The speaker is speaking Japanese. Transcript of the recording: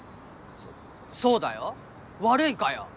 そそうだよ悪いかよ！